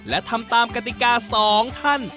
และทำตามกติกา๒ท่าน